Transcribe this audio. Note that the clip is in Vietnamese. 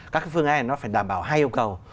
các phương án này nó phải đảm bảo hai yêu cầu